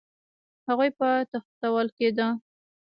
هغوی به تښتول کېده